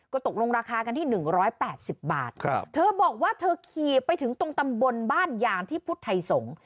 ก็ตกลงราคากันที่หนึ่งร้อยแปดสิบบาทครับเธอบอกว่าเธอขี่ไปถึงตรงตำบนบ้านยางที่พุทธไทยสงค์